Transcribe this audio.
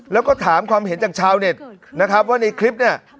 แล้วก็ถามความเห็นจากชาวเน็ตนะครับว่าในคลิปเนี่ย